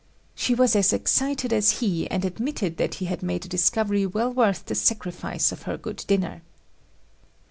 She was as excited as he and admitted that he had made a discovery well worth the sacrifice of her good dinner!